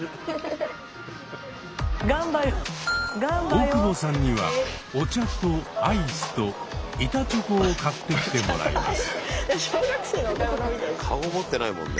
大久保さんにはお茶とアイスと板チョコを買ってきてもらいます。